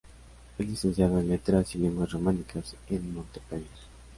Es licenciada en Letras y Lenguas Románicas en Montpellier.